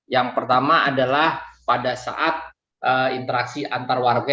yang pertama adalah pada saat interaksi antar warga